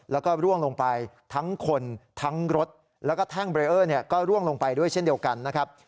แล้วก็ร่วงลงไปทั้งคนทั้งรถแล้วก็แท่งเบรเออร์ก็ร่วงลงไปด้วยเช่นเดียวกันนะครับ